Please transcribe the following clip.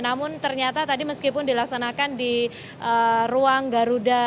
namun ternyata tadi meskipun dilaksanakan di ruang garuda